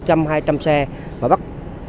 trăm hai trăm xe và bắt